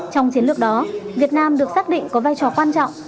trong chiến lược đó việt nam được xác định có vai trò quan trọng